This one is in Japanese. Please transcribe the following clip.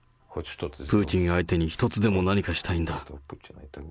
プーチン相手に一つでも何かしたいんだ。